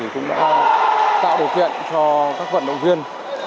cũng đã tạo điều kiện cho các vận động viên